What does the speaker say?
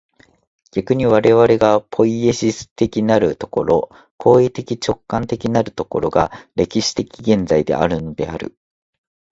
逆に我々がポイエシス的なる所、行為的直観的なる所が、歴史的現在であるのである。